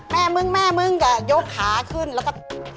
แม่มึงแม่มึงจะยกขาขึ้นแล้วก็